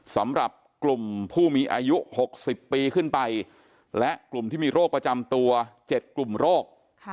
สำหรับกลุ่มผู้มีอายุ๖๐ปีขึ้นไปและกลุ่มที่มีโรคประจำตัว๗กลุ่มโรค